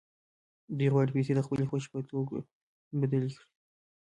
دوی غواړي پیسې د خپلې خوښې په توکو بدلې کړي